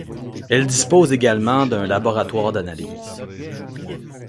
Elle dispose également d'un laboratoire d'analyses.